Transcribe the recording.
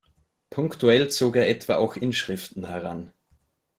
Punktuell zog er etwa auch Inschriften heran.